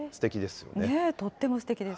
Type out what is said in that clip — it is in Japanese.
とってもすてきです。